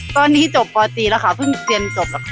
ตอนนี้จบปตีแล้วค่ะเพิ่งเรียนจบแล้วค่ะ